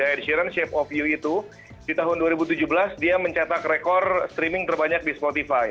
ed sheerance shape of u itu di tahun dua ribu tujuh belas dia mencetak rekor streaming terbanyak di spotify